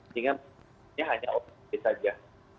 sehingga hanya covid saja